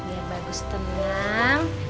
ya ya bagus tenang